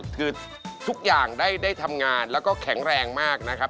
คือทุกอย่างได้ทำงานแล้วก็แข็งแรงมากนะครับ